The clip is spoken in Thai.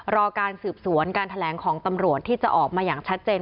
รอการสืบสวนการแถลงของตำรวจที่จะออกมาอย่างชัดเจน